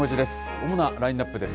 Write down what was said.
主なラインナップです。